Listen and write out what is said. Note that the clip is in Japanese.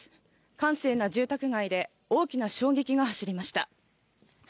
閑静な住宅街で大きな衝撃が走りました。